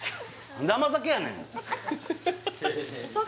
生酒やねんお酒？